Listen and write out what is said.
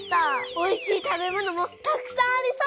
おいしい食べ物もたくさんありそう。